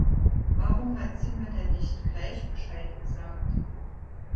Warum hat sie mir denn nicht gleich Bescheid gesagt?